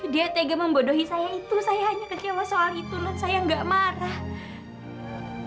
dia tega membodohi saya itu saya hanya kecewa soal itu dan saya nggak marah